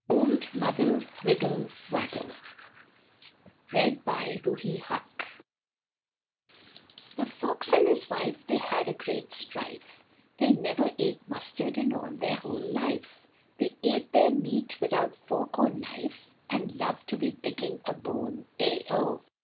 converted into yarn. Old Mother Wiggle Waggle The fox and his wife they had a great strife, They never ate mustard in all their whole life; They ate their meat without fork or knife And loved to be picking a bone, e ho!